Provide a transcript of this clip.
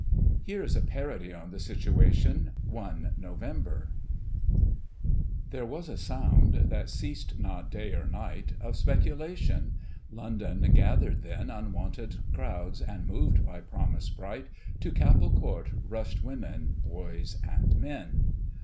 Here is a Parody on the situation, i Nov. :There was a sound, that ceased not day or night, Of speculation. London gathered then Unwonted crowds, and moved by promise bright, To Capel Court rushed women, boys and men, ft.